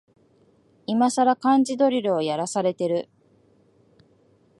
いまさら漢字ドリルをやらされてる